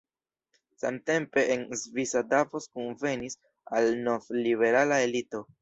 Samtempe en svisa Davos kunvenis la novliberala elito.